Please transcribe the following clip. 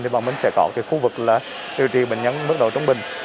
thì bọn mình sẽ có khu vực điều trị bệnh nhân mức độ trong bệnh